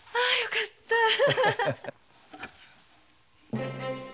あよかった。